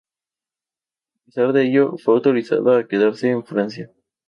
A pesar de ello, fue autorizada a quedarse en Francia.